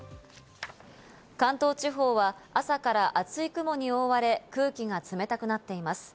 関東地方は朝から厚い雲に覆われ、空気が冷たくなっています。